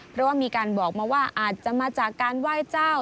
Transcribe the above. เพราะว่ามีการบอกมาว่าอาจจะมาจากการไหว้เจ้า